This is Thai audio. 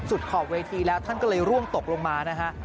ขอบเวทีแล้วท่านก็เลยร่วงตกลงมานะฮะ